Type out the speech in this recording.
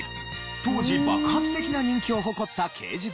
当時爆発的な人気を誇った刑事ドラマ